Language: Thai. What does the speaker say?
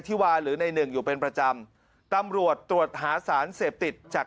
ที่วาหรือในหนึ่งอยู่เป็นประจำตำรวจตรวจหาสารเสพติดจาก